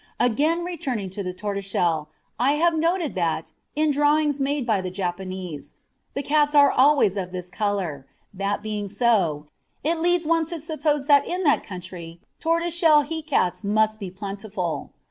Again returning to the tortoiseshell, I have noted that, in drawings made by the Japanese, the cats are always of this colour; that being so, it leads one to suppose that in that country tortoiseshell he cats must be plentiful.